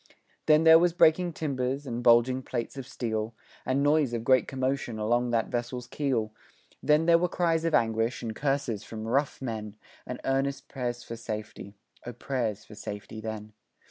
Then there was breaking timbers, and bulging plates of steel, And noise of great commotion along that vessel's keel Then there were cries of anguish, and curses from rough men, And earnest prayers for safety O prayers for safety then.